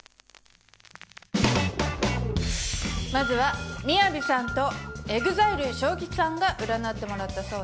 まずはＭＩＹＡＶＩさんとＥＸＩＬＥＳＨＯＫＩＣＨＩさんが占ってもらったそうです。